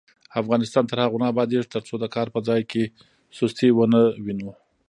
افغانستان تر هغو نه ابادیږي، ترڅو د کار په ځای کې سستي ونه وینو.